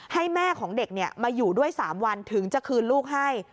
ให้แม่ของเด็กมาอยู่ด้วย๓วันถึงจะคืนลูกให้